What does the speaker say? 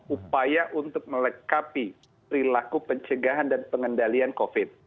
upaya untuk melekapi perilaku pencegahan dan pengendalian covid